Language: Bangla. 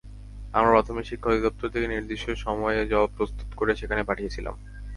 আমরা প্রাথমিক শিক্ষা অধিদপ্তর থেকে নির্দিষ্ট সময়েই জবাব প্রস্তুত করে সেখানে পাঠিয়েছিলাম।